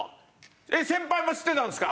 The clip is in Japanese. えっ先輩も知ってたんですか？